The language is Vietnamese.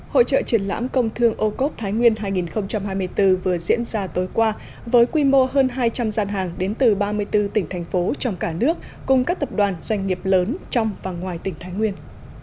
hội trợ triển lãm công thương âu cốp thái nguyên hai nghìn hai mươi bốn vừa diễn ra tối qua với quy mô hơn hai trăm linh gian hàng đến từ ba mươi bốn tỉnh thành phố trong cả nước cùng các tập đoàn doanh nghiệp lớn trong và ngoài tỉnh thái nguyên